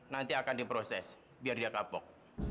nanti akan diproses biar dia kapok